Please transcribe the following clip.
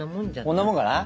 こんなもんかな？